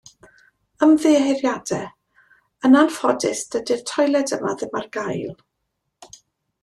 Ymddiheuriadau, yn anffodus, dydi'r toiled yma ddim ar gael.